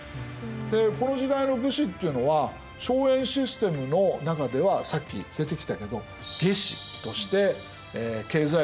でこの時代の武士っていうのは荘園システムの中ではさっき出てきたけど下司として経済力を蓄えていった。